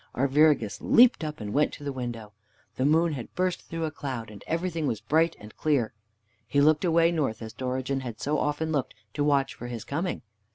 Arviragus leapt up and went to the window. The moon had burst through a cloud, and everything was bright and clear. He looked away north, as Dorigen had so often looked to watch for his coming.